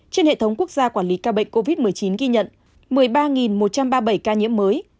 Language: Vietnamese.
trên hệ thống quốc gia quản lý ca bệnh covid một mươi chín ghi nhận một mươi ba một trăm ba mươi bảy ca nhiễm mới